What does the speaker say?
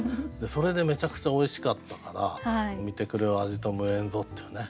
それでめちゃくちゃおいしかったから「見てくれは味と無縁ぞ」っていうね。